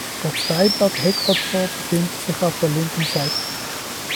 Der Zweiblatt-Heckrotor befindet sich auf der linken Seite.